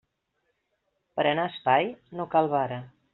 Per a anar a espai, no cal vara.